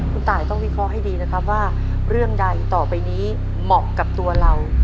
คุณตายต้องวิเคราะห์ให้ดีนะครับว่าเรื่องใดต่อไปนี้เหมาะกับตัวเรา